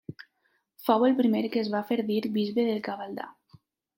Fou el primer que es va fer dir bisbe del Gavaldà.